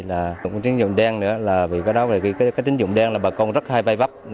cái tín dụng đen nữa là vì cái đó cái tín dụng đen là bà con rất hay vai vấp